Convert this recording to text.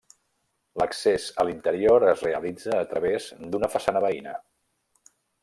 L'accés a l'interior es realitza a través d'una façana veïna.